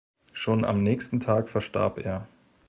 Schon am nächsten Tag verstarb er.